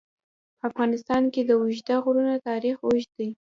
په افغانستان کې د اوږده غرونه تاریخ اوږد دی.